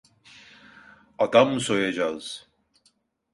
Adam mı soyacağız?